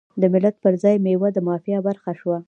د ملت پر ځای میوه د مافیا برخه شوه.